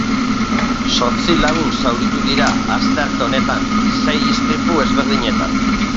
Zortzi lagun zauritu dira astearte honetan, sei istripu ezberdinetan.